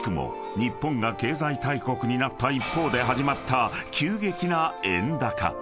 日本が経済大国になった一方で始まった］